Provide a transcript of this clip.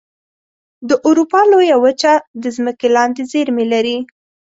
د اروپا لویه وچه د ځمکې لاندې زیرمې لري.